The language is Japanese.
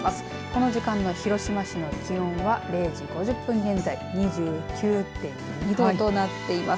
この時間の広島市の気温は０時５０分現在２９．２度となっています。